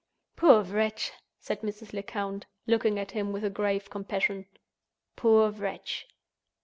"Poor wretch!" said Mrs. Lecount, looking at him with a grave compassion—"poor wretch!"